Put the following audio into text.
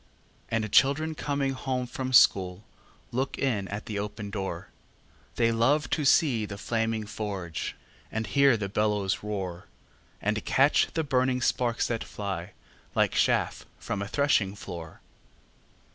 And children coming home from school Look in at the open door; They love to see the flaming forge, And hear the bellows roar, And catch the burning sparks that fly, Like chaff from a threshing floor.